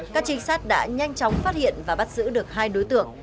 các trinh sát đã nhanh chóng phát hiện và bắt giữ được hai đối tượng